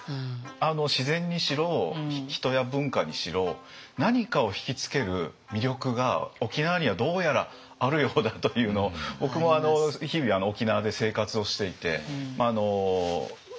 自然にしろ人や文化にしろ何かを引き付ける魅力が沖縄にはどうやらあるようだというのを僕も日々沖縄で生活をしていてすごく感じることですよね。